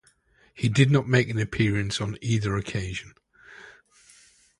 He did not make an appearance on either occasion.